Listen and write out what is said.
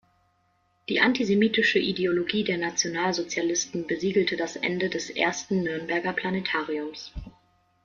Die antisemitische Ideologie der Nationalsozialisten besiegelte das Ende des ersten Nürnberger Planetariums.